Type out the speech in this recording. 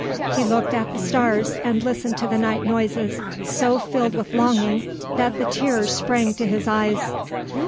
He looked at the stars and listened to the night noises, so filled with longing that the tears sprang to his eyes.